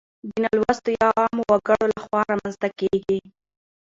د نالوستو يا عامو وګړو لخوا رامنځته کيږي.